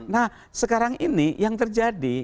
nah sekarang ini yang terjadi